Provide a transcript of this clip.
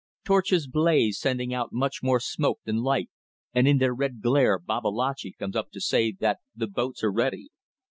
Torches blaze sending out much more smoke than light, and in their red glare Babalatchi comes up to say that the boats are ready.